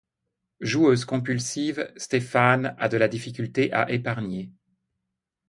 Joueuse compulsive, Stéphane a de la difficulté à épargner.